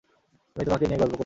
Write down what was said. আমি তোমাকে নিয়ে গর্ব করি।